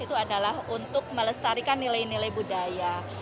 itu adalah untuk melestarikan nilai nilai budaya